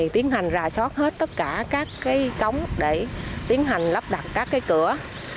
tiến hành rà soát hết tất cả các cống để tiến hành lắp đặt các cửa